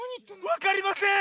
わかりません！